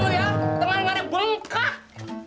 dengan marah bengkak